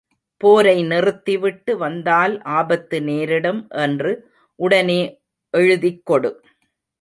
போரை நிறுத்திவிட்டு வந்தால் ஆபத்து நேரிடும் என்று உடனே எழுதிக்கொடு.